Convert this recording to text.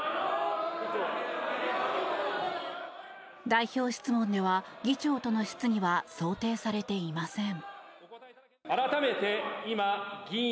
代表質問では議長との質疑は想定されていません。